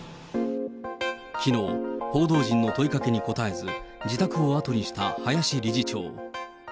きのう、報道陣の問いかけに答えず、自宅を後にした林理事長。